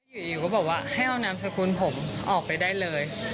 อยู่ก็บอกว่าให้เอานามสกุลผมออกไปได้เลย